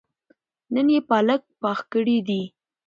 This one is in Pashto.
نن يې پالک پخ کړي دي